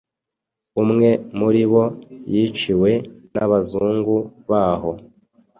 Umwe muribo yiciwe nabazungu baho